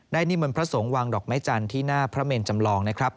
นิมนต์พระสงฆ์วางดอกไม้จันทร์ที่หน้าพระเมนจำลองนะครับ